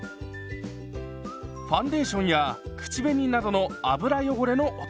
ファンデーションや口紅などの油汚れの落とし方です。